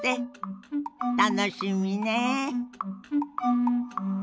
楽しみねえ。